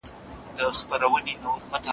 موږ ټول د یوې ټولنې غړي یو.